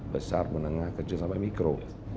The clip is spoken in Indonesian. besar menengah kecil sampai mikro